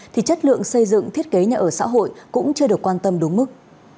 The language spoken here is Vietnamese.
thì chất lượng xây dựng thiết kế nhà ở xã hội cũng chưa được quan tâm đúng mức